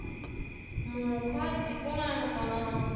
もうかえってこないのかなあ。